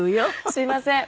すみません。